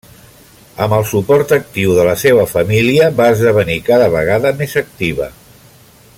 Amb el suport actiu de la seva família va esdevenir cada vegada més activa.